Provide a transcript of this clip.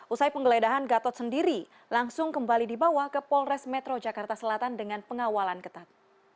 usai penggeledahan gatot sendiri langsung kembali dibawa ke polres metro jakarta selatan dengan pengawalan ketat